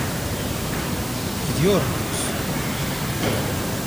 Gidiyor muyuz?